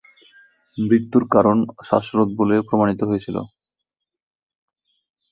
মৃত্যুর কারণ শ্বাসরোধ বলে প্রমাণিত হয়েছিল।